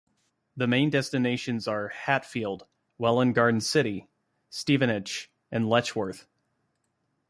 The main destinations are Hatfield, Welwyn Garden City, Stevenage, and Letchworth.